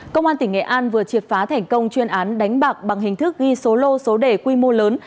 công an tỉnh nghệ an vừa triệt phá thành công chuyên án đánh bạc bằng hình thức ghi số lô số đề quy mô lớn